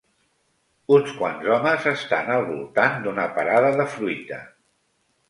uns quants homes estan al voltant d'una parada de fruita.